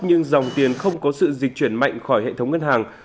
nhưng dòng tiền không có sự dịch chuyển mạnh khỏi hệ thống ngân hàng